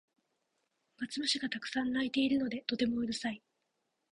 マツムシがたくさん鳴いているのでとてもうるさい